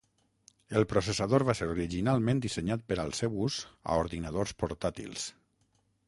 El processador va ser originalment dissenyat per al seu ús a ordinadors portàtils.